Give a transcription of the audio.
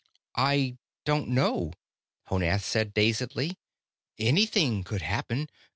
"I don't know," Honath said dazedly. "Anything could happen.